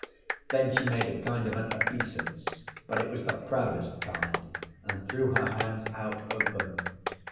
Then she made a kind of an obeisance, but it was the proudest kind, and threw her hands out open.